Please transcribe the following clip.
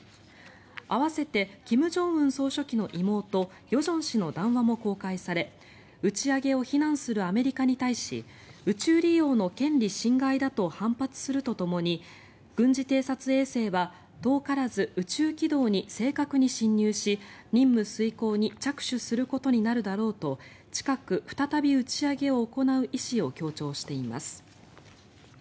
併せて金正恩総書記の妹与正氏の談話も公開され打ち上げを非難するアメリカに対し宇宙利用の権利侵害だと反発するとともに軍事偵察衛星は遠からず宇宙軌道に正確に進入し任務遂行に着手することになるだろうと近く再び打ち上げを行う意思を強調しています。